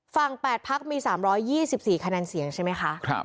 ฝั่ง๘พักมี๓๒๔คะแนนเสียงใช่ไหมคะ